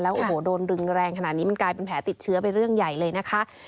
โอ้โหโดนดึงแรงขนาดนี้มันกลายเป็นแผลติดเชื้อไปเรื่องใหญ่เลยนะคะ